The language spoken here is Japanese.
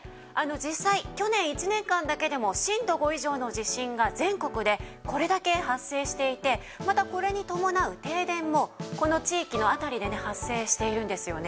実際去年１年間だけでも震度５以上の地震が全国でこれだけ発生していてまたこれに伴う停電もこの地域の辺りでね発生しているんですよね。